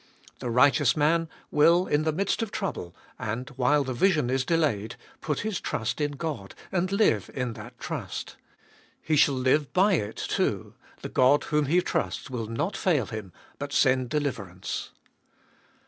The righteous man will in the midst of trouble, and while the vision is delayed, put his trust in God, and live in that trust. He shall live by it too, the God whom He trusts will not fail him but send deliverance.